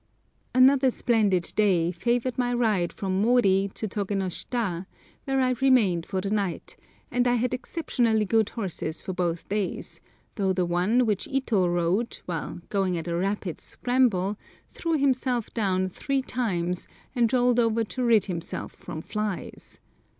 Another splendid day favoured my ride from Mori to Togénoshita, where I remained for the night, and I had exceptionally good horses for both days, though the one which Ito rode, while going at a rapid "scramble," threw himself down three times and rolled over to rid himself from flies.